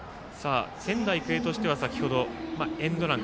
仙台育英としては先程、エンドラン。